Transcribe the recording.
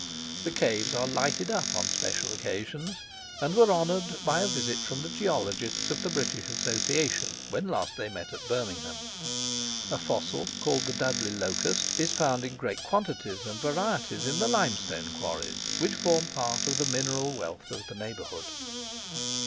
The caves are lighted up on special occasions, and were honoured by a visit from the geologists of the British Association when last they met at Birmingham. A fossil, called the Dudley locust, is found in great quantities and varieties in the limestone quarries, which form part of the mineral wealth of the neighbourhood.